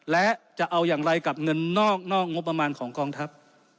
และจะเอาอย่างไรกับเงินนอกงบประมาณของกองทัพ